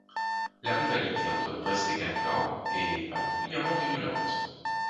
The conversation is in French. La rivalité entre Brest et Guingamp est particulièrement virulente.